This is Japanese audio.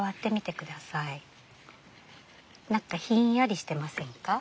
何やひんやりしてませんか？